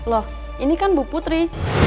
loh ini kan bu putri